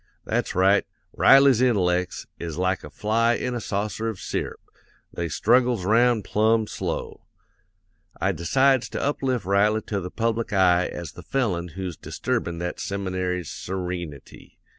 That's right; Riley's intellects, is like a fly in a saucer of syrup, they struggles 'round plumb slow. I decides to uplift Riley to the public eye as the felon who's disturbin' that seminary's sereenity.